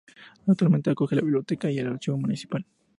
Actualmente acoge la Biblioteca y el Archivo Municipal.